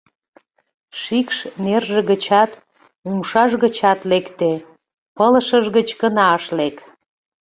Шикш нерже гычат, умшаж гычат лекте, пылышыж гыч гына ыш лек.